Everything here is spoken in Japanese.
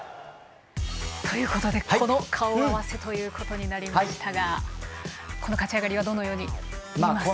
この顔合わせということになりましたがこの勝ち上がりはどのように見ますか？